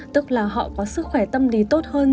tức là họ có sức khỏe tâm lý tốt hơn